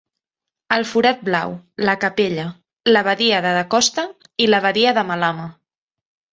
El forat blau, la capella, la badia de Decosta i la badia de Malama.